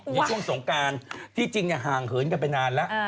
ในช่วงสงการที่จริงห่างเหินกันไปนานแล้ว